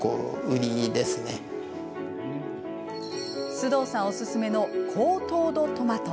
須藤さんおすすめの高糖度トマト。